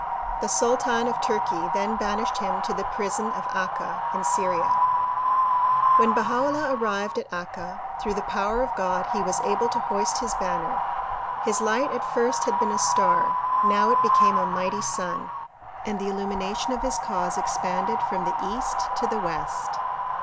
The sultan of Turkey then banished him to the prison of Akka in Syria. When Baha 'Ullah arrived at Akka, through the power of God he was able to hoist his banner. His light at first had been a star; now it became a mighty sun and the illumination of his cause expanded from the east to the west.